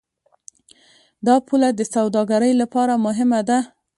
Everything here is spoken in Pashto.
دا پوله د سوداګرۍ لپاره مهمه ده.